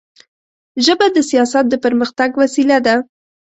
ژبه د سیاست د پرمختګ وسیله ده